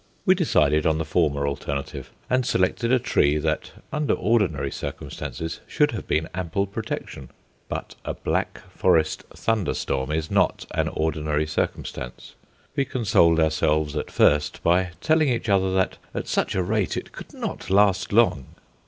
We decided on the former alternative, and selected a tree that, under ordinary circumstances, should have been ample protection. But a Black Forest thunderstorm is not an ordinary circumstance. We consoled ourselves at first by telling each other that at such a rate it could not last long.